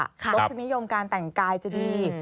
ลักษณะนิยมการแต่งกายจะดี